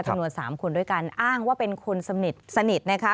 จำนวน๓คนด้วยกันอ้างว่าเป็นคนสนิทสนิทนะคะ